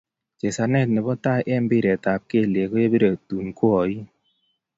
Chesanet nebo tai eng mbiret ab kelwek kokipire tunkoain.